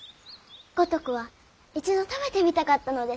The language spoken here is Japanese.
五徳は一度食べてみたかったのです。